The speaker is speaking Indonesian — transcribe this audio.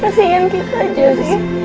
kasihan kita jessy